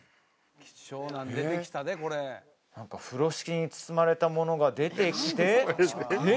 風呂敷に包まれたものが出てきてえっ